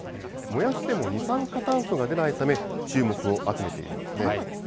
燃やしても二酸化炭素が出ないため、注目を集めているんですね。